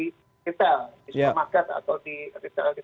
di supermarket atau di retail